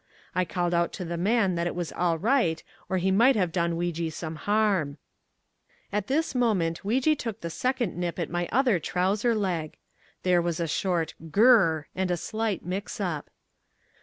I called out to the man that it was all right or he might have done Weejee some harm." At this moment Weejee took the second nip at my other trouser leg. There was a short GUR R R and a slight mix up.